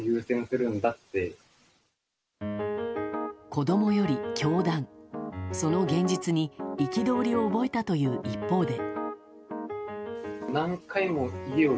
子供より教団、その現実に憤りを覚えたという一方で。